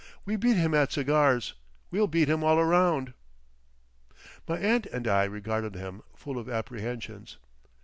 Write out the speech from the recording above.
"We beat him at cigars. We'll beat him all round." My aunt and I regarded him, full of apprehensions.